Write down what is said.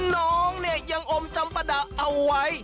น้องเนี่ยยังอมจำปะดะเอาไว้